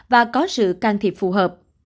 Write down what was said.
và có sự can thiệp phù hợp